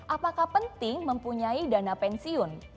apakah penting mempunyai dana pensiun